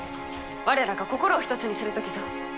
我らが心を一つにする時ぞ。